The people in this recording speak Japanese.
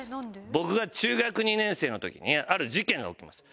僕が中学２年生の時にある事件が起きます。